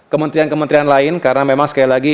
kementerian kementerian lain karena memang sekali lagi